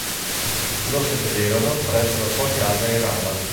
Lo seppellirono presso la sua casa in Rama.